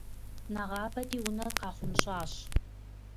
Нэгъабэ ди унэр къахъунщӏащ.